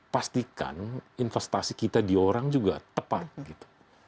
pastikan investasi kita di orang juga tepat gitu